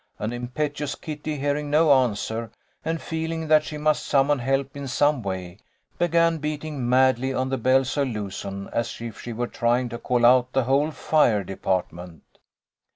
And impetuous Kitty, hearing no answer, and feeling that she must summon help in some way, began beating madly on the bells of Luzon, as if she were trying to call out the whole fire department.